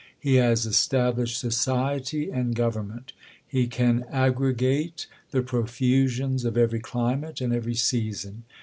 He has estab lished society and government. He can aggregate the profusions of every climate, and every season.